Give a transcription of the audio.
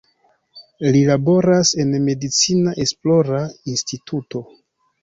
Li laboras en medicina esplora instituto.